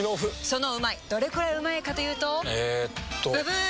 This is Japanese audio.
そのうまいどれくらいうまいかというとえっとブブー！